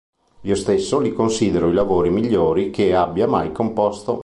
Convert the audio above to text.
Io stesso li considero i lavori migliori che abbia mai composto.